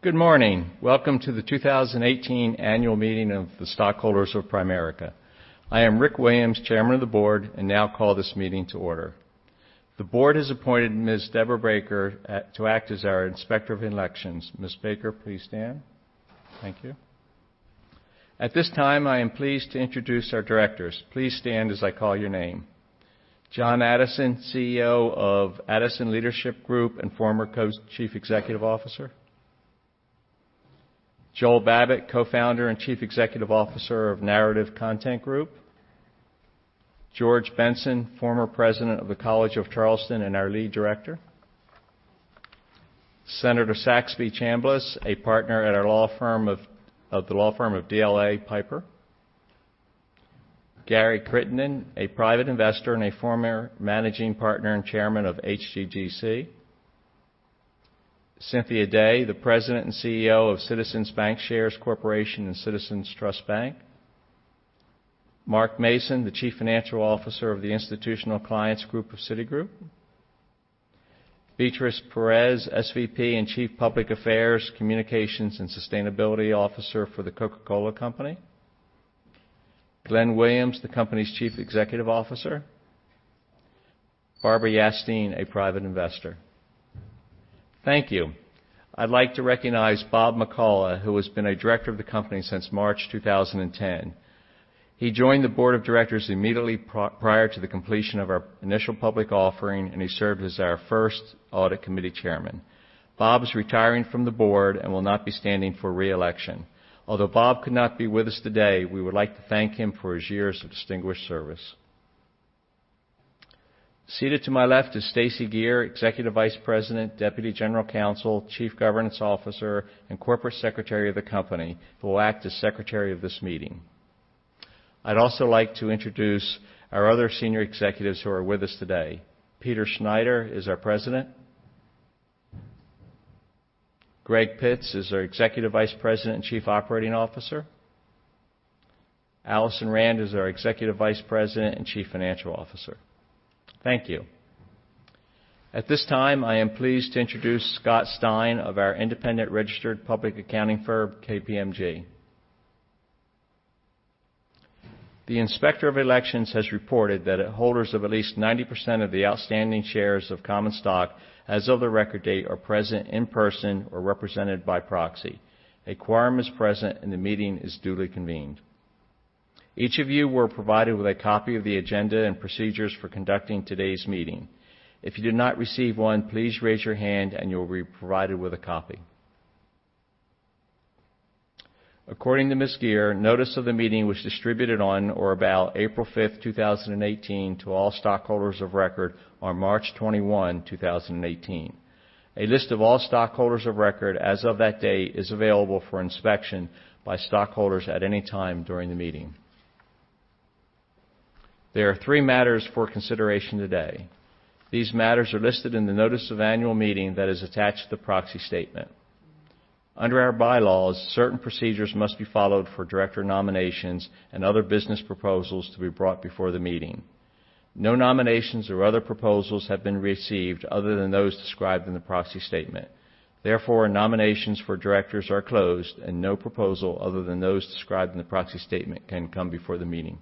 Good morning. Welcome to the 2018 annual meeting of the stockholders of Primerica. I am Rick Williams, Chairman of the Board, and now call this meeting to order. The board has appointed Ms. Deborah Baker to act as our Inspector of Elections. Ms. Baker, please stand. Thank you. At this time, I am pleased to introduce our directors. Please stand as I call your name. John Addison, CEO of Addison Leadership Group and former co-chief executive officer. Joel Babbit, co-founder and chief executive officer of Narrative Content Group. George Benson, former president of the College of Charleston and our lead director. Senator Saxby Chambliss, a partner at the law firm of DLA Piper. Gary Crittenden, a private investor and a former managing partner and chairman of HGGC. Cynthia Day, the President and CEO of Citizens Bancshares Corporation and Citizens Trust Bank. Mark Mason, the Chief Financial Officer of the Institutional Clients Group of Citigroup. Beatriz Perez, SVP and Chief Public Affairs, Communications, and Sustainability Officer for The Coca-Cola Company. Glenn Williams, the company's chief executive officer. Barbara Yastine, a private investor. Thank you. I'd like to recognize Bob McCullough, who has been a director of the company since March 2010. He joined the board of directors immediately prior to the completion of our initial public offering, and he served as our first audit committee chairman. Bob is retiring from the board and will not be standing for re-election. Although Bob could not be with us today, we would like to thank him for his years of distinguished service. Seated to my left is Stacey Geer, Executive Vice President, Deputy General Counsel, Chief Governance Officer, and Corporate Secretary of the company, who will act as secretary of this meeting. I'd also like to introduce our other senior executives who are with us today. Peter Schneider is our President. Greg Pitts is our Executive Vice President and Chief Operating Officer. Alison Rand is our Executive Vice President and Chief Financial Officer. Thank you. At this time, I am pleased to introduce Scott Stein of our independent registered public accounting firm, KPMG. The Inspector of Elections has reported that holders of at least 90% of the outstanding shares of common stock as of the record date are present in person or represented by proxy. A quorum is present, and the meeting is duly convened. Each of you were provided with a copy of the agenda and procedures for conducting today's meeting. If you did not receive one, please raise your hand and you will be provided with a copy. According to Ms. Stacey Geer, notice of the meeting was distributed on or about April 5th, 2018, to all stockholders of record on March 21, 2018. A list of all stockholders of record as of that day is available for inspection by stockholders at any time during the meeting. There are three matters for consideration today. These matters are listed in the notice of annual meeting that is attached to the proxy statement. Under our bylaws, certain procedures must be followed for director nominations and other business proposals to be brought before the meeting. No nominations or other proposals have been received other than those described in the proxy statement. Nominations for directors are closed and no proposal other than those described in the proxy statement can come before the meeting.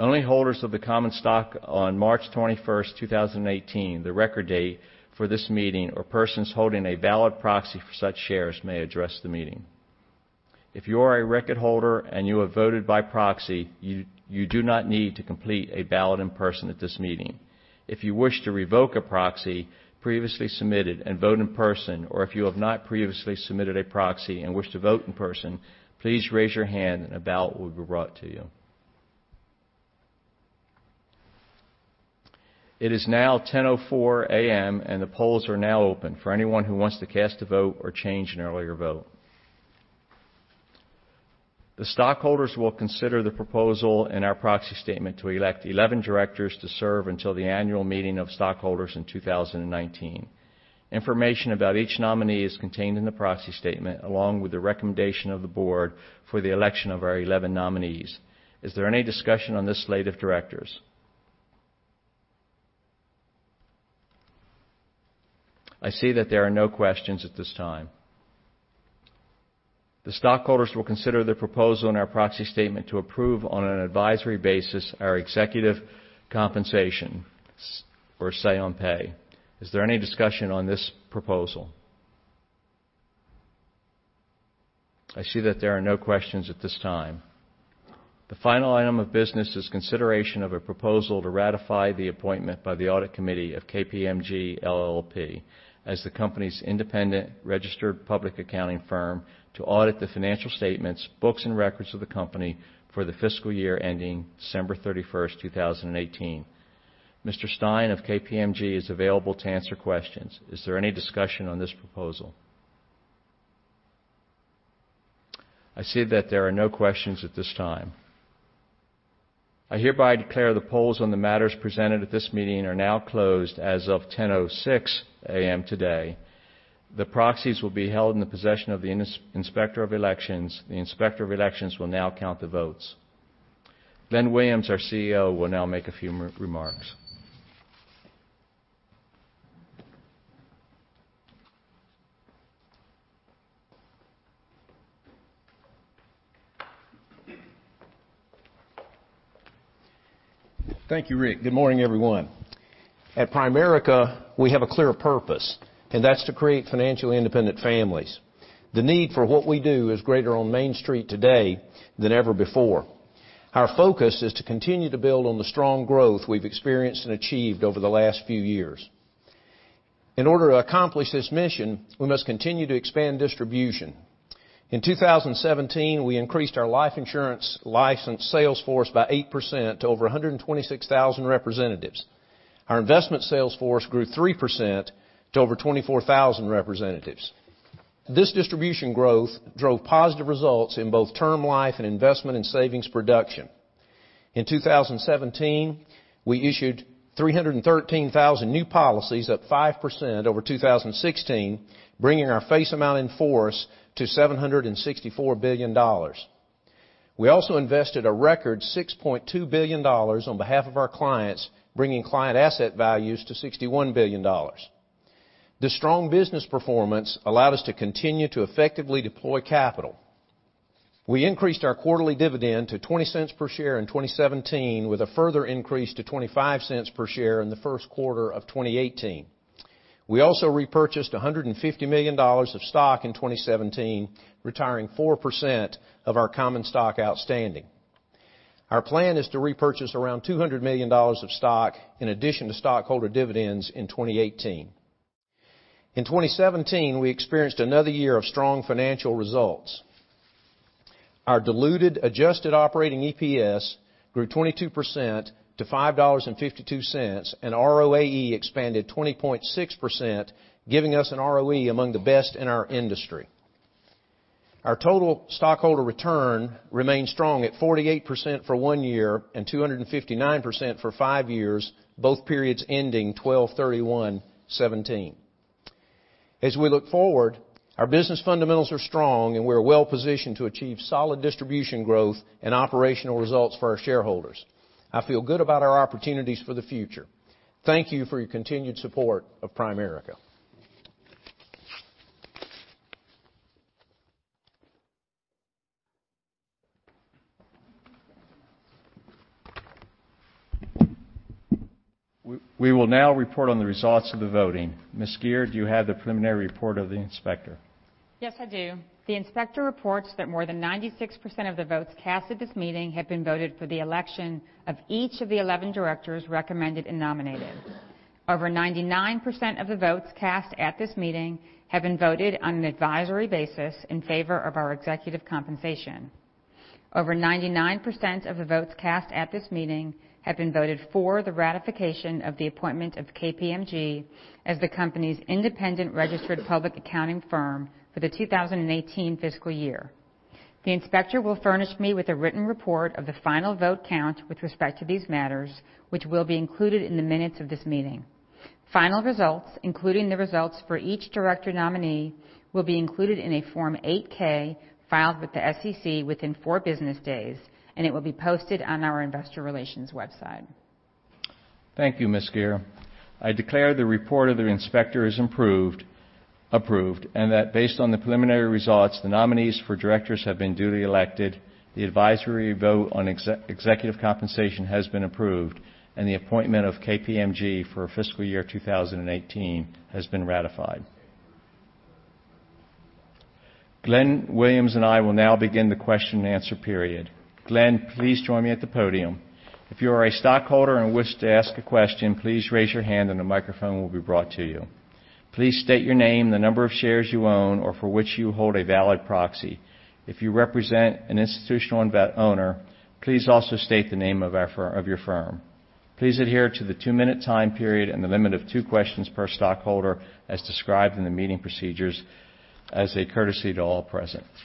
Only holders of the common stock on March 21st, 2018, the record date for this meeting, or persons holding a valid proxy for such shares may address the meeting. If you are a record holder and you have voted by proxy, you do not need to complete a ballot in person at this meeting. If you wish to revoke a proxy previously submitted and vote in person, or if you have not previously submitted a proxy and wish to vote in person, please raise your hand and a ballot will be brought to you. It is now 10:04 A.M. The polls are now open for anyone who wants to cast a vote or change an earlier vote. The stockholders will consider the proposal in our proxy statement to elect 11 directors to serve until the annual meeting of stockholders in 2019. Information about each nominee is contained in the proxy statement, along with the recommendation of the board for the election of our 11 nominees. Is there any discussion on this slate of directors? I see that there are no questions at this time. The stockholders will consider the proposal in our proxy statement to approve, on an advisory basis, our executive compensation or say on pay. Is there any discussion on this proposal? I see that there are no questions at this time. The final item of business is consideration of a proposal to ratify the appointment by the audit committee of KPMG LLP as the company's independent registered public accounting firm to audit the financial statements, books, and records of the company for the fiscal year ending December 31st, 2018. Mr. Stein of KPMG is available to answer questions. Is there any discussion on this proposal? I see that there are no questions at this time. I hereby declare the polls on the matters presented at this meeting are now closed as of 10:06 A.M. today. The proxies will be held in the possession of the Inspector of Elections. The Inspector of Elections will now count the votes. Glenn Williams, our CEO, will now make a few remarks. Thank you, Rick. Good morning, everyone. At Primerica, we have a clear purpose. That's to create financially independent families. The need for what we do is greater on Main Street today than ever before. Our focus is to continue to build on the strong growth we've experienced and achieved over the last few years. In order to accomplish this mission, we must continue to expand distribution. In 2017, we increased our life insurance license sales force by 8% to over 126,000 representatives. Our investment sales force grew 3% to over 24,000 representatives. This distribution growth drove positive results in both term life and investment and savings production. In 2017, we issued 313,000 new policies, up 5% over 2016, bringing our face amount in force to $764 billion. We also invested a record $6.2 billion on behalf of our clients, bringing client asset values to $61 billion. This strong business performance allowed us to continue to effectively deploy capital. We increased our quarterly dividend to $0.20 per share in 2017, with a further increase to $0.25 per share in the first quarter of 2018. We also repurchased $150 million of stock in 2017, retiring 4% of our common stock outstanding. Our plan is to repurchase around $200 million of stock in addition to stockholder dividends in 2018. In 2017, we experienced another year of strong financial results. Our diluted adjusted operating EPS grew 22% to $5.52, and ROAE expanded 20.6%, giving us an ROE among the best in our industry. Our total stockholder return remained strong at 48% for one year and 259% for five years, both periods ending 12/31/2017. As we look forward, our business fundamentals are strong, and we're well-positioned to achieve solid distribution growth and operational results for our shareholders. I feel good about our opportunities for the future. Thank you for your continued support of Primerica. We will now report on the results of the voting. Ms. Geer, do you have the preliminary report of the inspector? Yes, I do. The inspector reports that more than 96% of the votes cast at this meeting have been voted for the election of each of the 11 directors recommended and nominated. Over 99% of the votes cast at this meeting have been voted on an advisory basis in favor of our executive compensation. Over 99% of the votes cast at this meeting have been voted for the ratification of the appointment of KPMG as the company's independent registered public accounting firm for the 2018 fiscal year. The inspector will furnish me with a written report of the final vote count with respect to these matters, which will be included in the minutes of this meeting. Final results, including the results for each director nominee, will be included in a Form 8-K filed with the SEC within four business days, and it will be posted on our investor relations website. Thank you, Ms. Geer. I declare the report of the inspector is approved, that based on the preliminary results, the nominees for directors have been duly elected, the advisory vote on executive compensation has been approved, and the appointment of KPMG for fiscal year 2018 has been ratified. Glenn Williams and I will now begin the question and answer period. Glenn, please join me at the podium. If you are a stockholder and wish to ask a question, please raise your hand and a microphone will be brought to you. Please state your name, the number of shares you own, or for which you hold a valid proxy. If you represent an institutional owner, please also state the name of your firm. Please adhere to the two-minute time period and the limit of two questions per stockholder, as described in the meeting procedures, as a courtesy to all present.